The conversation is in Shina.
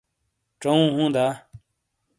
چَؤوں ہُوں دا؟